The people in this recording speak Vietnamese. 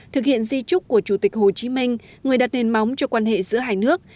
thực hiện di trúc của chủ tịch hồ chí minh người đặt nền móng cho quan hệ giữa hai nước